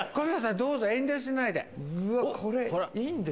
どうぞ遠慮しないで。